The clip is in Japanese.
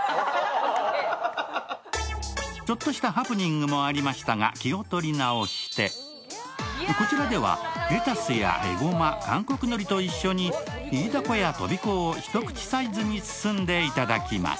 ちょっとしたハプニングもありましたが気を取り直してこちらではレタスや、えごま、韓国のりと一緒にイイダコやとびこを一口サイズに包んでいただきます。